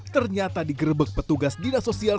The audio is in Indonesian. ternyata digrebek petugas dinas sosial